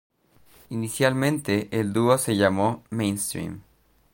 Inicialmente el dúo se llamó "Mainstream".